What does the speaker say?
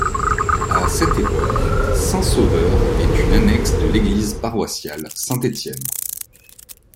À cette époque, Saint-Sauveur est une annexe de l'église paroissiale Saint-Étienne.